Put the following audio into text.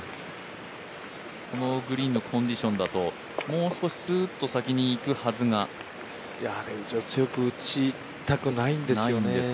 このグリーンのコンディションだともう少しすーっと先にいくはずがあれ以上、強く打ちたくないんですよね。